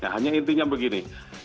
hanya intinya begini